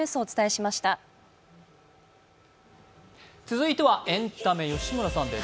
続いてはエンタメ吉村さんです。